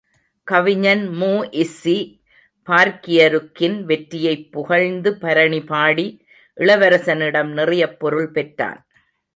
கவிஞன் மூ இஸ்ஸி பார்க்கியருக்கின் வெற்றியைப் புகழ்ந்து பரணிபாடி, இளவரசனிடம் நிறையப் பொருள் பெற்றான்.